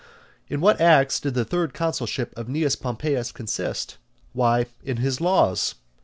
In what acts did the third consulship of Cnaeus Pompeius consist? Why, in his laws.